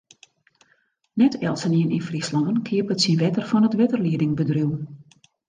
Net eltsenien yn Fryslân keapet syn wetter fan it wetterliedingbedriuw.